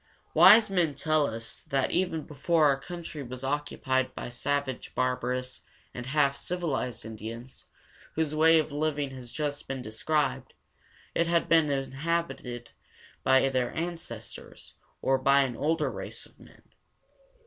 Wise men tell us that even before our country was occupied by the savage, barbarous, and half civilized Indians, whose way of living has just been described, it had been inhabited by their ancestors or by an older race of men.